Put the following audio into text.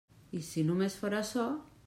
I si només fóra açò!